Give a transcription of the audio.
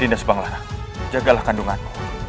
dinda subanglarang jagalah kandunganmu